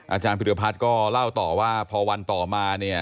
อาจารย์พิรพัฒน์ก็เล่าต่อว่าพอวันต่อมาเนี่ย